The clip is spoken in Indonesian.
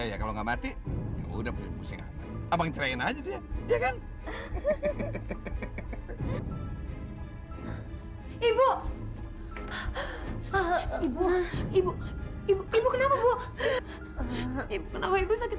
ya ya kalau nggak mati ya udah pusing pusing aja dia ibu ibu ibu ibu ibu kenapa ibu ibu